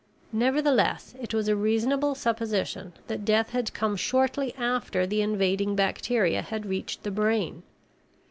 Nevertheless it was a reasonable supposition that death had come shortly after the invading bacteria had reached the brain.